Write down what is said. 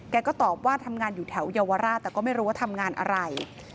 ก็ตอบว่าทำงานอยู่แถวเยาวราชแต่ก็ไม่รู้ว่าทำงานอะไร